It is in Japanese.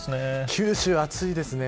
九州暑いですね。